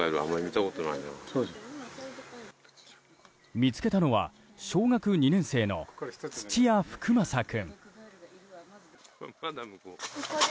見つけたのは小学２年生の土屋福将君。